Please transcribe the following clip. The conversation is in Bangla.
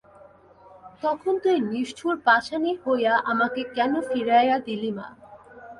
তখন তুই নিষ্ঠুর পাষাণী হইয়া আমাকে কেন ফিরাইয়া দিলি মা?